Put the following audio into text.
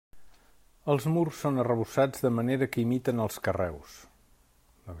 Els murs són arrebossats de manera que imiten els carreus.